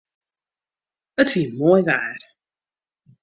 It wie moai waar.